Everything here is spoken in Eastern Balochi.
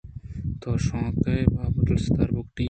شونکار۔ ابدلستار بگٹی۔